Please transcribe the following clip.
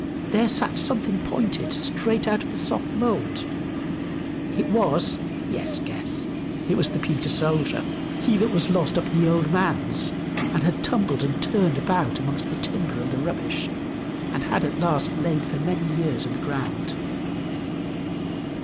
There sat something pointed, straight out of the soft mould. It was yes, guess! It was the pewter soldier, he that was lost up at the old man's, and had tumbled and turned about amongst the timber and the rubbish, and had at last laid for many years in the ground.